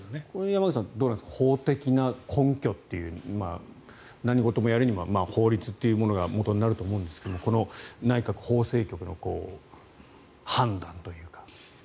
山口さん、どうなんですか法的な根拠というものは何事もやるにも法律というものがもとになると思いますがこの内閣法制局の判断というか。